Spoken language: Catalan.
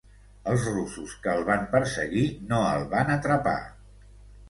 Els russos que el van perseguir no el van atrapar.